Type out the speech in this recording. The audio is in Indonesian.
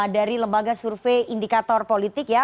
dari lembaga survei indikator politik ya